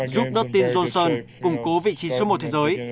giúp dustin johnson củng cố vị trí xuống một thế giới